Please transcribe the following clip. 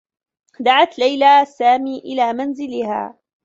دعت ليلى سامي إلى منزلها.